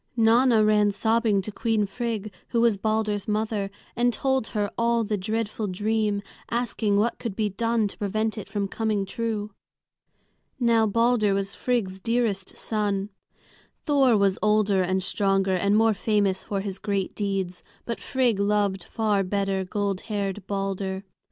Nanna ran sobbing to Queen Frigg, who was Balder's mother, and told her all the dreadful dream, asking what could be done to prevent it from coming true. Now Balder was Queen Frigg's dearest son. Thor was older and stronger, and more famous for his great deeds; but Frigg loved far better gold haired Balder.